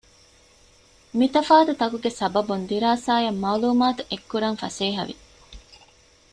މިތަފާތު ތަކުގެ ސަބަބުން ދިރާސާ އަށް މައުލޫމާތު އެއެްކުރަން ފަސޭހަވި